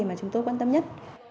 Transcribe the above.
mà chúng tôi quan tâm nhất